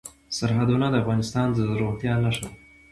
سرحدونه د افغانستان د زرغونتیا نښه ده.